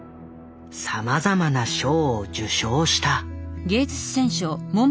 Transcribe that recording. さまざまな賞を受賞した。